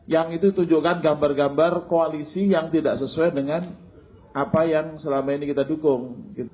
yang itu ditunjukkan gambar gambar koalisi yang tidak sesuai dengan apa yang selama ini kita dukung